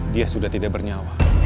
dia sudah tidak bernyawa